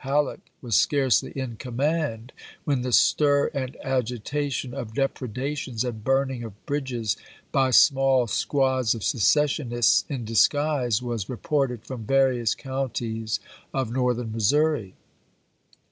Hal leck was scarcely in command when the stir and agitation of depredations and burning of bridges, by small squads of secessionists in disguise, was reported from various counties of Northern Mis souri.